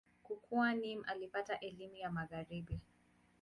Kukua, Nimr alipata elimu ya Magharibi.